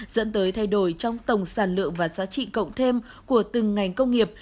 dẫn tới thay đổi trong tổng sản lượng và giá trị cộng thêm của từng ngành công nghiệp